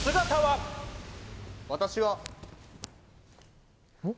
私は。